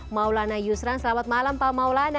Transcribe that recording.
maulana yusran selamat malam pak maulana